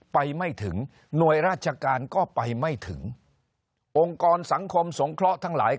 ไปไม่ถึงหน่วยราชการก็ไปไม่ถึงองค์กรสังคมสงเคราะห์ทั้งหลาย